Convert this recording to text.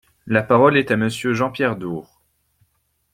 La parole est à Monsieur Jean-Pierre Door.